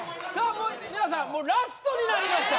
もう皆さんラストになりました